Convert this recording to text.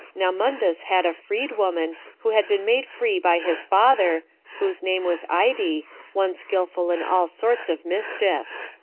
Now Mundus had a freed woman, who had been made free by his father, whose name was Ide, one skillful in all sorts of mischief.